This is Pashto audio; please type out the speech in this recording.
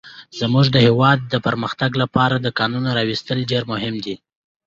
زموږ د هيواد د پرمختګ لپاره د کانونو راويستل ډير مهم دي.